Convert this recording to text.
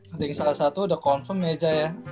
yang salah satu udah confirm ya reja ya